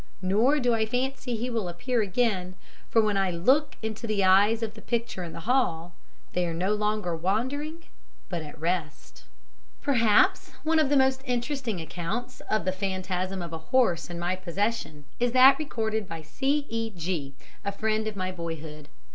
Nor do I fancy he will appear again, for when I look into the eyes of the picture in the hall, they are no longer wandering, but at rest." Perhaps, one of the most interesting accounts of the phantasm of a horse in my possession is that recorded by C.E. G , a friend of my boyhood.